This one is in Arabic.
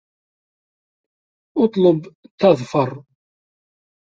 اطلب تظفر